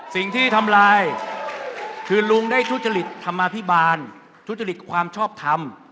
สิ่งที่ทำลายคือลุงได้ทุจริตธรรมาภิบาลทุจริตความชอบทำ